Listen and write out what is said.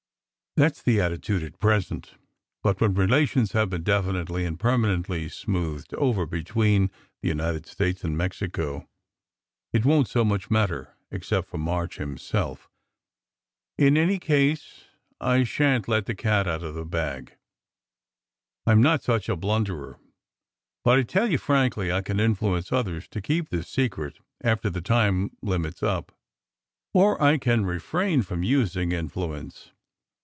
"That s the attitude at present. But when relations have been definitely and permanently smoothed over be tween the United States and Mexico, it won t so much matter except for March himself. In any case, I shan t let the cat out of the bag. I m not such a blunderer ! But I tell you frankly, I can influence others to keep the secret after the time limit s up or I can refrain from using in fluence.